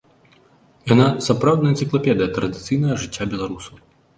Яна сапраўдная энцыклапедыя традыцыйнага жыцця беларусаў.